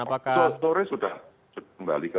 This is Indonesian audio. tuh sore sudah kembali